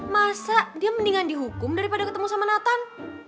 masa dia mendingan dihukum daripada ketemu sama nathan